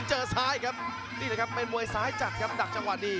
เจอซ้ายครับนี่แหละครับเป็นมวยซ้ายจัดครับดักจังหวะดี